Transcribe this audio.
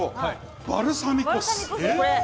バルサミコ酢。